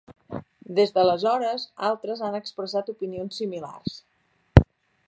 Des d'aleshores, altres han expressat opinions similars.